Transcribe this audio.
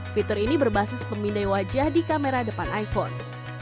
fitur ini berbasis pemindai wajah di kamera depan iphone